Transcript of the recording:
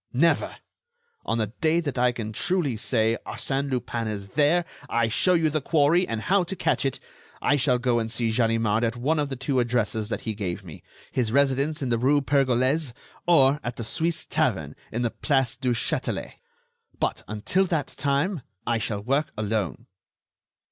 "Never! On the day that I can truly say: Arsène Lupin is there; I show you the quarry, and how to catch it; I shall go and see Ganimard at one of the two addresses that he gave me—his residence in the rue Pergolese, or at the Suisse tavern in the Place du Châtelet. But, until that time, I shall work alone."